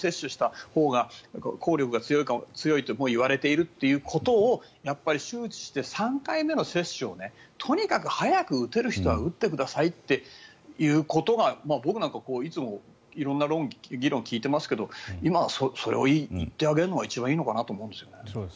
交互接種したほうが効力が強いといわれているということを周知して３回目の接種をとにかく早く打てる人は打ってくださいということが僕なんかはいつも色んな議論を聞いていますけど今はそれを言ってあげるのが一番いいかと思うんですよ。